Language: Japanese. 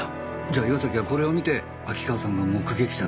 じゃ岩崎はこれを見て秋川さんが目撃者だと。